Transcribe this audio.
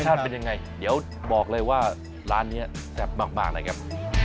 เป็นยังไงเดี๋ยวบอกเลยว่าร้านนี้แซ่บมากนะครับ